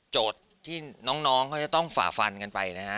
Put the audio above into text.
ที่น้องเขาจะต้องฝ่าฟันกันไปนะฮะ